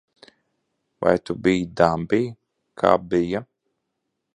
Vai tu biji dambī? Kā bija?